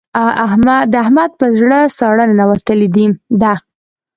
د احمد په زړه ساړه ننوتلې ده.